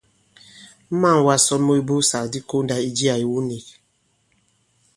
Ma᷇ŋ wā ŋsɔn mu ibussàk di kondā i jiā iwu nīk.